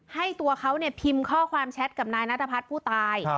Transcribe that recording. ให้ตัวเขาเนี่ยพิมพ์ข้อความแชทกับนายนัทพัฒน์ผู้ตาย